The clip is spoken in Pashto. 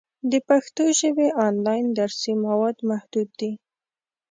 د پښتو ژبې آنلاین درسي مواد محدود دي.